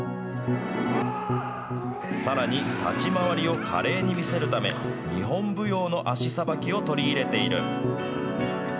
さらに立ち回りを華麗にみせるため日本舞踊の脚さばきを取り入れている。